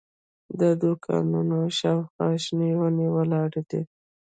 د دوکانونو شاوخوا شنې ونې ولاړې دي.